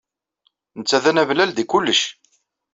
Netta d anablal deg kullec.